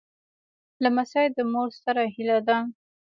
لمسی د مور ستره هيله ده.